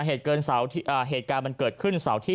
เหตุเกินเสาที่อ่าเหตุการณ์มันเกิดขึ้นเสาร์ที่